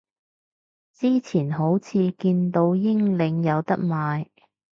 之前好似見到英領有得賣